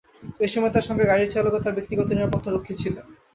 এ সময় তাঁর সঙ্গে গাড়ির চালক ও তাঁর ব্যক্তিগত নিরাপত্তারক্ষী ছিলেন।